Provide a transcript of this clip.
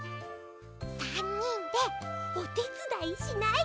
３にんでおてつだいしない？